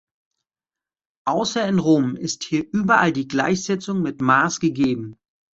Außer in Rom ist hier überall die Gleichsetzung mit Mars gegeben.